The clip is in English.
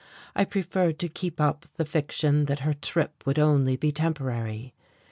I preferred to keep up the fiction that her trip would only be temporary.